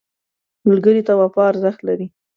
ملګری ته وفا ارزښت لري